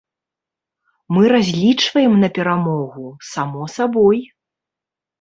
Мы разлічваем на перамогу, само сабой.